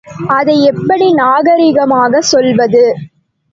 அதை எப்படி நாகரிகமாகச் சொல்வது?